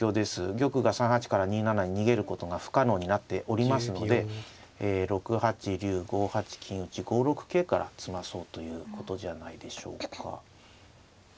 玉が３八から２七に逃げることが不可能になっておりますので６八竜５八金打５六桂から詰まそうということじゃないでしょうか。